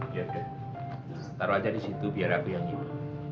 ya ya taruh aja di situ biar aku yang ngikut